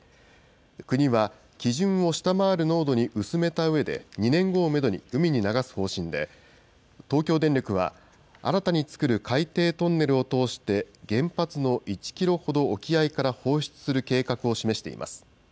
国は基準を下回る濃度に薄めたうえで、２年後をメドに海に流す方針で、東京電力は新たに作る海底トンネルを通して、原発の１キロほど沖合から放出する計画を示しています。